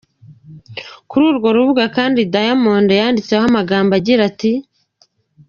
Kuri urwo rubuga kandi Diamond yanditseho amagambo agira ati.